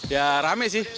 ya rame sih